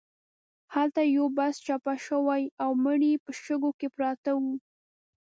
هلته یو بس چپه شوی و او مړي په شګو کې پراته وو.